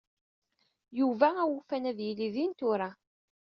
Yuba awufan ad yili din tura.